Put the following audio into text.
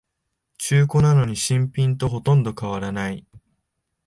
中古なのに新品とほとんど変わらない